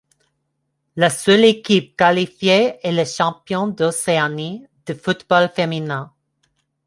La seule équipe qualifiée est le champion d'Océanie de football féminin.